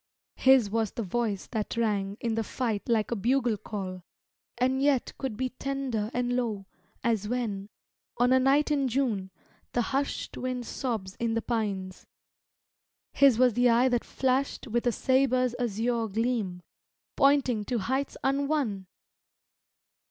His was the voice that rang In the fight like a bugle call, And yet could be tender and low As when, on a night in June, The hushed wind sobs in the pines. His was the eye that flashed With a sabre's azure gleam, Pointing to heights unwon!